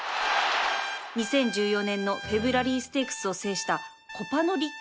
２０１４年のフェブラリーステークスを制した